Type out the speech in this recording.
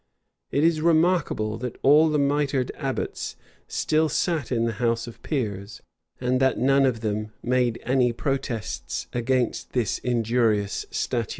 [] It is remarkable, that all the mitred abbots still sat in the house of peers, and that none of them made any protests against this injurious statute.